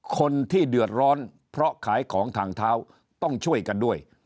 คนที่เดือดร้อนเพราะขายของทางเท้าต้องช่วยกันด้วย